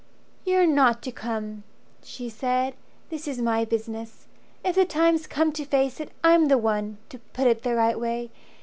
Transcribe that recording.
"You're not to come," she said. "This is my business. If the time's come to face it, I'm the one To put it the right way.